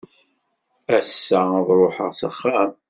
Ass-a ad ruḥeɣ s axxam.